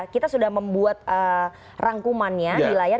kita sudah membuat rangkumannya di layar